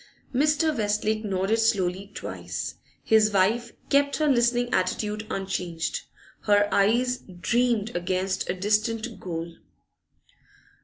Mr. Westlake nodded slowly twice. His wife kept her listening attitude unchanged; her eyes 'dreamed against a distant goal.